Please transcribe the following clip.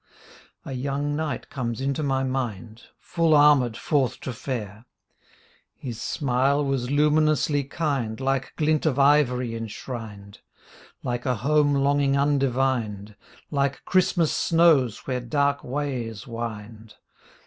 A young knight comes into my mind Full armored forth to fare. His smile was luminously kind Like glint of ivory enshrined, Like a home longing undivined. Like Christmas snows where dark ways wind.